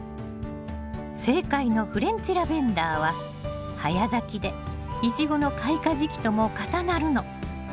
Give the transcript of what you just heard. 正解のフレンチラベンダーは早咲きでイチゴの開花時期とも重なるの。